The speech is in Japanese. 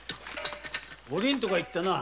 おりんとか言ったな。